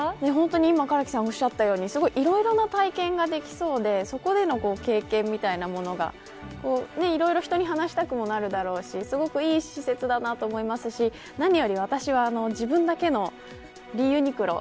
今、唐木さんおっしゃったようにいろいろな体験ができそうでそこでの経験みたいなものがいろいろ人に話したくもなるだろうしすごくいい施設だなと思いますし何より私は自分だけのＲＥ．ＵＮＩＱＬＯ。